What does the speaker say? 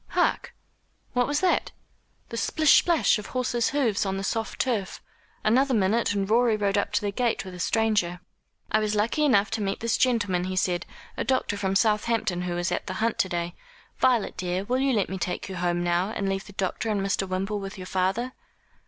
Hark! what was that? The splish splash of horses' hoofs on the soft turf. Another minute and Rorie rode up to the gate with a stranger. "I was lucky enough to meet this gentleman," he said, "a doctor from Southampton, who was at the hunt to day. Violet dear, will you let me take you home now, and leave the doctor and Mr. Wimble with your father?"